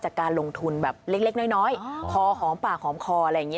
จากการลงทุนแบบเล็กน้อยคอหอมปากหอมคออะไรอย่างนี้